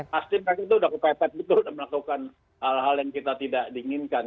pasti mereka itu udah kepepet betul melakukan hal hal yang kita tidak diinginkan